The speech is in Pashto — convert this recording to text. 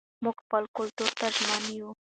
موږ خپل کلتور ته ژمن یو.